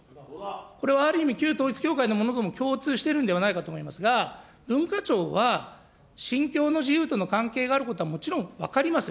これはある意味、旧統一教会のものとも共通しているんではないかと思いますが、文化庁は、信教の自由との関係があることはもちろん分かりますよ。